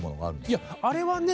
いやあれはね